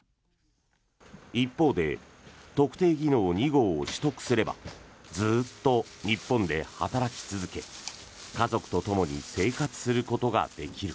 一方で、特定技能２号を取得すればずっと日本で働き続け家族とともに生活することができる。